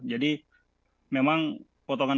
jadi memang potongan potongan